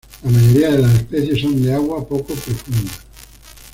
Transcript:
La mayoría de las especies son de aguas poco profundas.